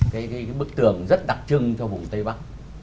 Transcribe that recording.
cái bức tường rất đặc trưng cho vùng tây bắc